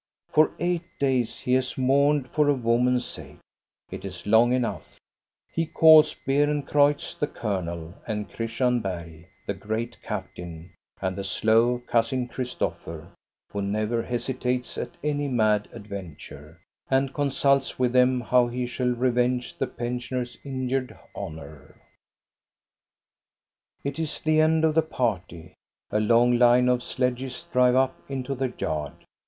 For eight days he has mourned for a woman's sake. It is long enough. He calls Beerencreutz the colonel, and Christian Bergh the great captain, and the slow Cousin Christopher, who never hesitates at any mad adventure, and consults with them how he shall fivenge the pensioners* injured honor. THE YOUNG COUNTESS 185 It IS the end of the party. A long line of sledges drive up into the yard.